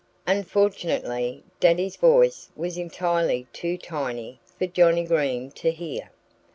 Unfortunately Daddy's voice was entirely too tiny for Johnnie Green to hear.